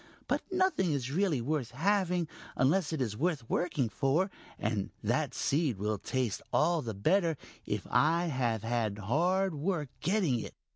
But nothing is really worth having unless it is worth working for, and that seed will taste all the better if I have hard work getting it."